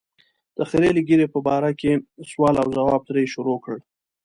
د خرییلې ږیرې په باره کې سوال او ځواب ترې شروع کړ.